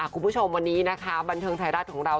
คุณผู้ชมวันนี้นะคะบันเทิงไทยรัฐของเรา